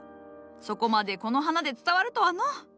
そこまでこの花で伝わるとはのう。